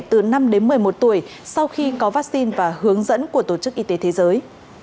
từ năm đến một mươi một tuổi sau khi có vaccine và hướng dẫn của tổ chức y tế thế giới